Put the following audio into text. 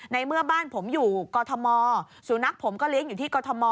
ในเมื่อบ้านผมอยู่กอทมสุนัขผมก็เลี้ยงอยู่ที่กรทม